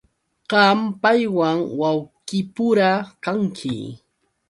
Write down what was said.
Qam paywan wawqipura kanki.